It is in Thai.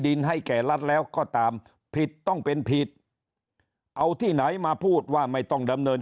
ให้แก่รัฐแล้วก็ตามผิดต้องเป็นผิดเอาที่ไหนมาพูดว่าไม่ต้องดำเนิน